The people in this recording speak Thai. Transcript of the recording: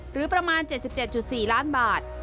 หรือประมาณ๗๗๔ล้านบาท